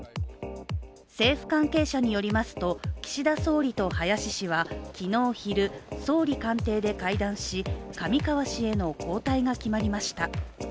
政府関係者によりますと、岸田総理と林氏は昨日昼、総理官邸で会談し上川氏への交代が決まりました。